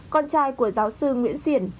con trai của giáo sư nguyễn diển